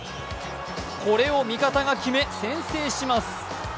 これを味方が決め先制します。